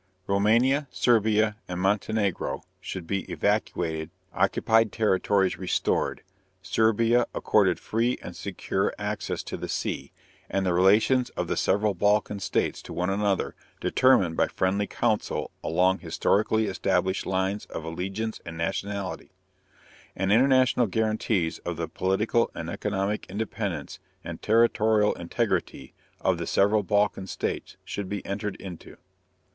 _Roumania, Serbia, and Montenegro should be evacuated, occupied territories restored, Serbia accorded free and secure access to the sea, and the relations of the several Balkan states to one another determined by friendly counsel along historically established lines of allegiance and nationality; and international guarantees of the political and economic independence and territorial integrity of the several Balkan states should be entered into.